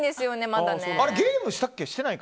ゲームしたっけ？